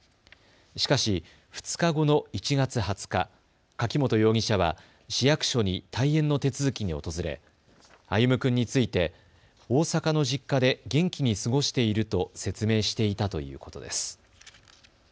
しかし２日後の１月２０日、柿本容疑者は市役所に退園の手続きに訪れ歩夢君について大阪の実家で元気に過ごしていると説明していたということです。